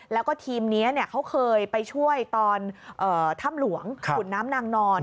แล้วก็ทีมนี้เขาเคยไปช่วยตอนถ้ำหลวงขุนน้ำนางนอน